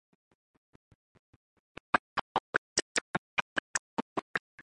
"Marc Hall versus Durham Catholic School Board"